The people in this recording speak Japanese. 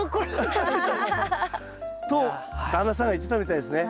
と旦那さんが言ってたみたいですね。